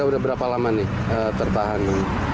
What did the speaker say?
sudah berapa lama nih terpahami